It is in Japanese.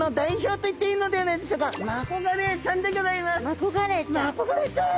マコガレイちゃん。